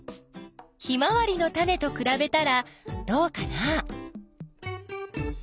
ヒマワリのタネとくらべたらどうかな？